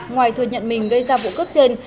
ngoài thừa nhận mình gây ra vụ cướp trên